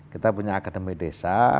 kita punya akademi desa